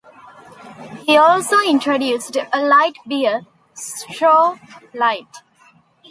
He also introduced a light beer, Stroh Light.